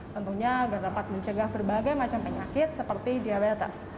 tentunya agar dapat mencegah berbagai macam penyakit seperti diabetes